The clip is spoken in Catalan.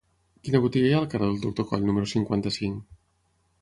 Quina botiga hi ha al carrer del Doctor Coll número cinquanta-cinc?